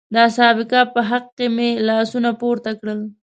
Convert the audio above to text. د اصحاب کهف په حق کې مې لاسونه پورته کړل.